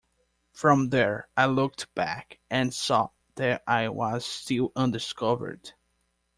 From there I looked back, and saw that I was still undiscovered.